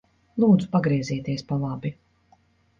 Lūdzu pagriezieties pa labi.